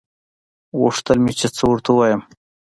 غوښتل مې چې څه ورته ووايم.